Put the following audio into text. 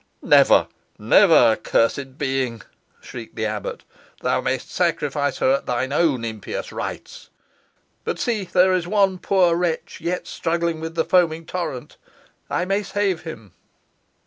"Never, never, accursed being!" shrieked the abbot. "Thou mayst sacrifice her at thine own impious rites. But see, there is one poor wretch yet struggling with the foaming torrent. I may save him."